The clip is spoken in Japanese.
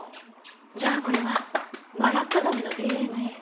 じゃあこれはマラッカガメのＤＮＡ？